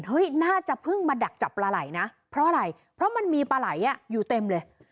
น่าจะเพิ่งมาดักจับปลาไหล่นะเพราะอะไรเพราะมันมีปลาไหล่อยู่เต็มเลย